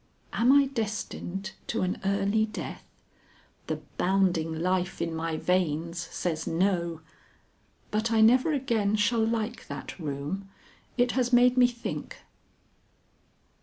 Am I destined to an early death? The bounding life in my veins says no. But I never again shall like that room. It has made me think.